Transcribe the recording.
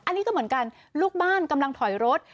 อันนี้ก็เหมือนกันลูกบ้านกำลังถอยรถ